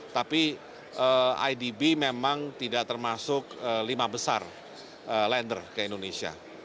tapi idb memang tidak termasuk lima besar lender ke indonesia